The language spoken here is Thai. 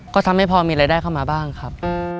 ก็ทำให้พอมีรายได้เข้ามาบ้างครับ